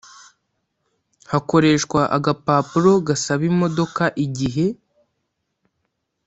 hakoreshwa agapapuro gasaba imodoka igihe